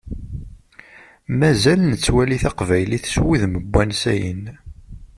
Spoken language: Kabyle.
Mazal nettwali taqbaylit s wudem n wansayen.